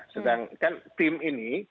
sedangkan tim ini